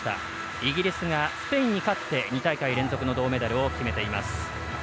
イギリスがスペインに勝って２大会連続の銅メダルを決めています。